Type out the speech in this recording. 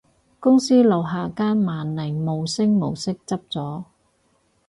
公司樓下間萬寧無聲無息執咗